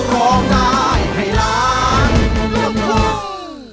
รอง่ายให้ร้านลมพัน